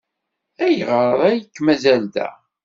Ayɣer ay k-mazal da?